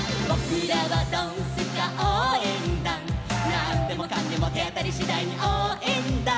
「なんでもかんでもてあたりしだいにおうえんだ」